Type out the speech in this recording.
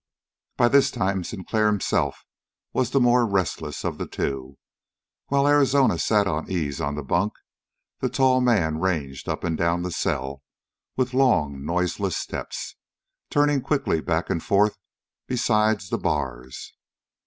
By this time Sinclair himself was the more restless of the two. While Arizona sat at ease on the bunk, the tall man ranged up and down the cell, with long, noiseless steps, turning quickly back and forth beside the bars.